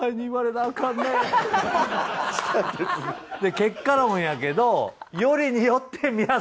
結果論やけど。